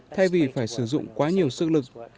thay vì phải sử dụng quá nhiều sức lực